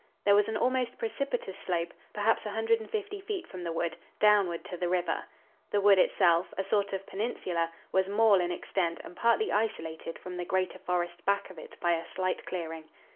There was an almost precipitous slope, perhaps a hundred and fifty feet from the wood, downward to the river. The wood itself, a sort of peninsula, was mall in extent and partly isolated from the greater forest back of it by a slight clearing.